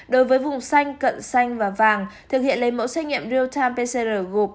đối với vùng xanh cận xanh và vàng thực hiện lấy mẫu xét nghiệm real time pcr gộp